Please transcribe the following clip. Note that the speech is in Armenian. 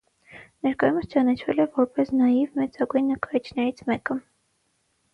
Ներկայումս ճանաչվել է որպես նաիվ մեծագույն նկարիչներից մեկը։